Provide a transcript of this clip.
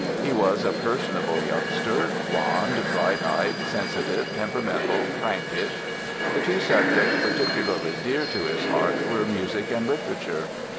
He was a personable youngster, blond, bright eyed, sensitive, temperamental, prankish. The two subjects particularly dear to his heart were music and literature.